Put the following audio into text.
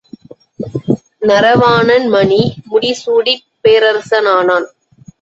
நரவாணன் மணி முடி சூடிப் பேரரசனானான்.